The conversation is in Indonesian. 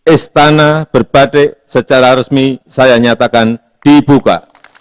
istana berbatik secara resmi saya nyatakan dibuka